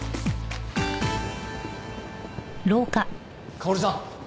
香織さん。